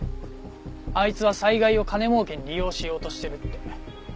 あいつは災害を金儲けに利用しようとしてるって。